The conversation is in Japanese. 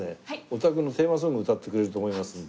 おたくのテーマソング歌ってくれると思いますんで。